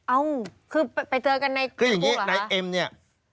อ้าวคือไปเจอกันในคลุกหรือคะคืออย่างนี้นายเอ็มเนี่ย